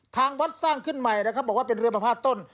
ทางวัดสร้างขึ้นใหม่นะครับบอกว่าเป็นเรือประพาทต้น